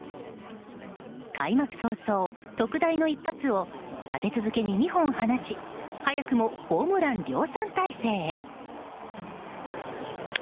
開幕早々、特大の一発を立て続けに２本放ち早くもホームラン量産態勢へ。